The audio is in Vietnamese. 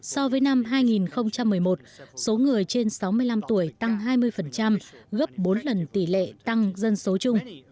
so với năm hai nghìn một mươi một số người trên sáu mươi năm tuổi tăng hai mươi gấp bốn lần tỷ lệ tăng dân số chung